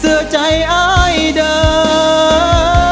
เสื้อใจอายเดอร์